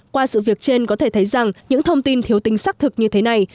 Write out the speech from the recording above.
qua sự việc trên có thể thấy rằng những thông tin thiếu tính xác thực như thế này